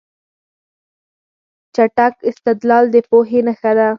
چټک استدلال د پوهې نښه ده.